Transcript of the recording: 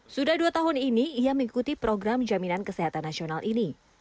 sudah dua tahun ini ia mengikuti program jaminan kesehatan nasional ini